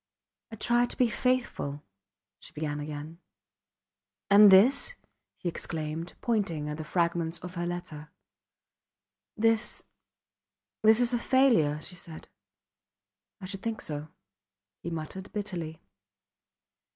I tried to be faithful ... she began again. And this? he exclaimed, pointing at the fragments of her letter. This this is a failure, she said. I should think so, he muttered, bitterly.